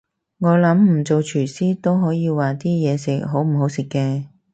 我諗唔做廚師都可以話啲嘢食好唔好食嘅